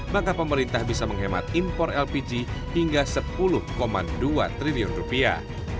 maka pemerintah bisa menghemat impor lpg hingga sepuluh dua triliun rupiah